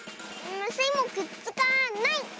スイもくっつかない！